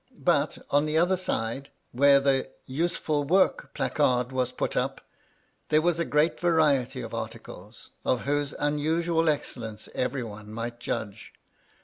But, on the other side, where the Useful Work placard was put up, there was a great variety of articles, of whose unusual excellence every one might judge.